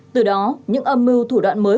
từ đó những âm mưu thủ đoạn mới